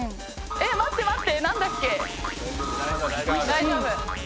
大丈夫。